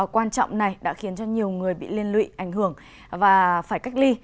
quan trọng này đã khiến cho nhiều người bị liên lụy ảnh hưởng và phải cách ly